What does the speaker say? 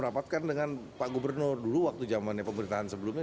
rapatkan dengan pak gubernur dulu waktu zamannya pemerintahan sebelumnya